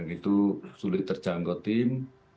itu sulit terjangkau tim